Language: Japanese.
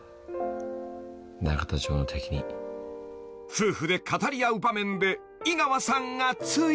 ［夫婦で語り合う場面で井川さんがつい］